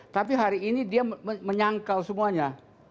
tapi hari ini dia menyangkal semuanya